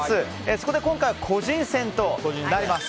そこで今回は個人戦となります。